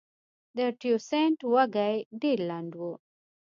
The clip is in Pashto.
د تیوسینټ وږی ډېر لنډ و